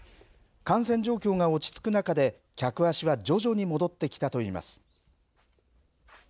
感染状況が落ち着く中で客足は徐々に戻ってきたと言います。